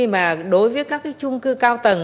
mà đối với các cái trung cư cao tầng